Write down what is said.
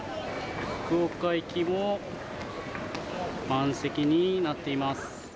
福岡行きも満席になっています。